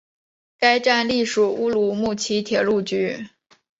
该站隶属乌鲁木齐铁路局。